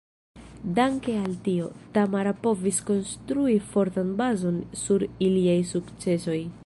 Danke al tio, Tamara povis konstrui fortan bazon sur iliaj sukcesoj.